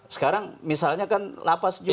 sekarang misalnya kan la paz juga